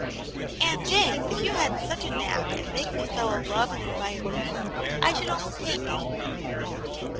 " Aunt Jane, if you hadn't such a knack at making a fellow love and admire you, I should almost hate you."